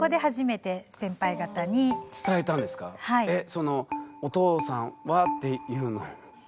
そのお父さんはっていうのもですか？